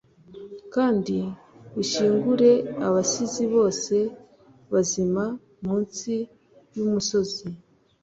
Kandi ushyingure abasizi bose bazima munsi yumusozi